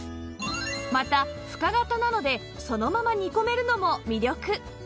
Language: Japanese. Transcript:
また深型なのでそのまま煮込めるのも魅力